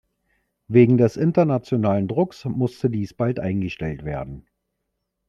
Wegen des internationalen Drucks musste dies bald eingestellt werden.